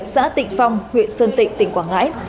xã tịnh phong huyện sơn tịnh tỉnh quảng ngãi